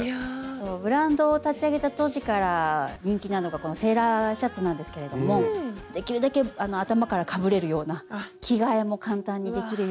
ブランドを立ち上げた当時から人気なのがこのセーラーシャツなんですけれどもできるだけ頭からかぶれるような着替えも簡単にできるような。